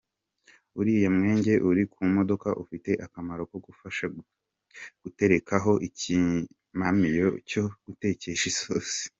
Uriya mwenge uri ku mukodo ufite akamaro ko kugufasha guterekaho ikimamiyo cyo gutekesha isosi.